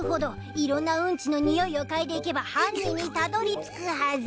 いろんなウンチのにおいを嗅いでいけば犯人にたどり着くはず。